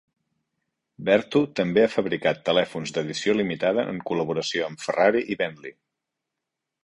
Vertu també ha fabricat telèfons d'edició limitada en col·laboració amb Ferrari i Bentley.